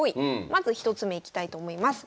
まず１つ目いきたいと思います。